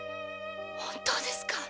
本当ですか？